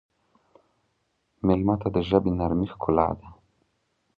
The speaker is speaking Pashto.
مېلمه ته د ژبې نرمي ښکلا ده.